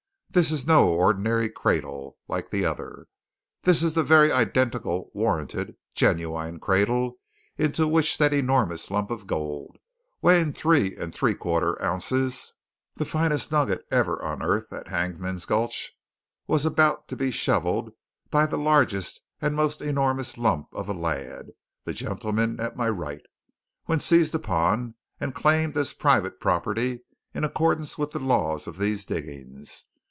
This is no ordinary cradle, like the other. This is the very identical warranted genuine cradle into which that enormous lump of gold, weighing three and three quarter ounces the finest nugget ever unearthed at Hangman's Gulch was about to be shovelled by that largest and most enormous lump of a lad, the gentleman at my right, when seized upon and claimed as private property in accordance with the laws of these diggings.